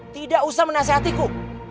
tidak usah menasihatiku